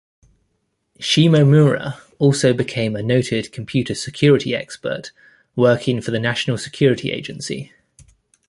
Shimomura also became a noted computer security expert, working for the National Security Agency.